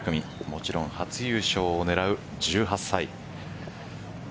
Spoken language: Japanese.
もちろん初優勝を狙う１８歳。